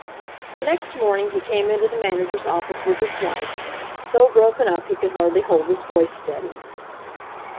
The next morning he came into the manager's office with his wife, so broken up he could hardly hold his voice steady.